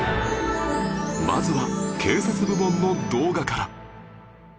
まずは警察部門の動画から